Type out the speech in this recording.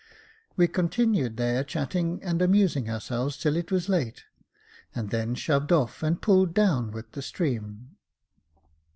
We continued there chatting and amusing ourselves till it was late, and then shoved off and pulled down with the stream.